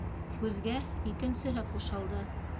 Һүҙгә икенсеһе ҡушылды: